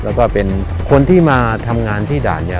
แล้วก็เป็นคนที่มาทำงานที่ด่านเนี่ย